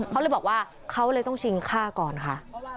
เขาเลยบอกว่าเขาเลยต้องชิงฆ่าก่อนค่ะ